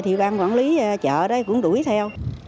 thì bang quản lý chợ đấy cũng đuổi theo